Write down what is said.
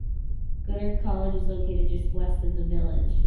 Goddard College is located just west of the village.